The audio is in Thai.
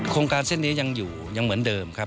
โครงการเส้นนี้ยังอยู่ยังเหมือนเดิมครับ